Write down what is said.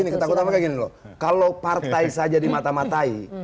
ketakutan mereka gini loh kalau partai saja dimata matai